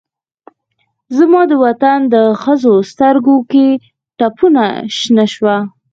زما دوطن د ښځوسترګوکې ټپونه شنه شوه